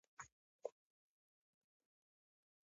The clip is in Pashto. که سر نه خلاصوي نو کونه دې ټینګه کړي.